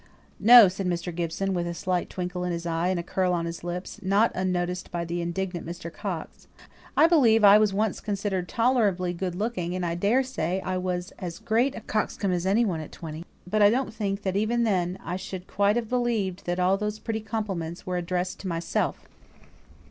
"No!" said Mr. Gibson, with a slight twinkle in his eye and a curl on his lips, not unnoticed by the indignant Mr. Coxe. "I believe I was once considered tolerably good looking, and I daresay I was as great a coxcomb as any one at twenty; but I don't think that even then I should quite have believed that all those pretty compliments were addressed to myself."